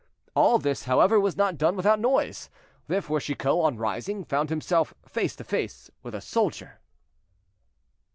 All this, however, was not done without noise, therefore Chicot, on rising, found himself face to face with a soldier.